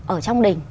ở trong đỉnh